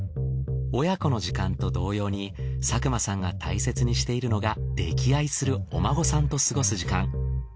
親子の時間と同様に作間さんが大切にしているのが溺愛するお孫さんと過ごす時間。